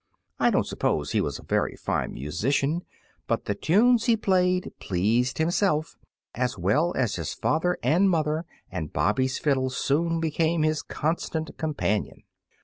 I don't suppose he was a very fine musician, but the tunes he played pleased himself, as well as his father and mother, and Bobby's fiddle soon became his constant companion.